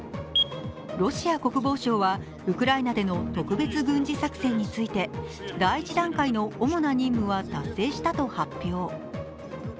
ロシア国防省はウクライナでの特別軍事作戦について、第１段階の主な任務は達成したと発表。